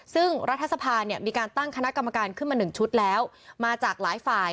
ซึ่งรัฐสภาเนี่ยมีการตั้งคณะกรรมการขึ้นมาหนึ่งชุดแล้วมาจากหลายฝ่าย